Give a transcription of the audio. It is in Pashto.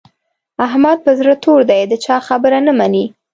احمد پر زړه تور دی؛ د چا خبره نه مني.